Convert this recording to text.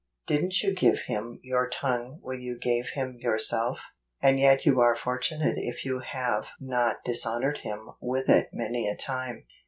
Didn't you give Him your tongue when you gave Him yourself ? And yet you are fortunate if you have not dis¬ honored Him with it many a time.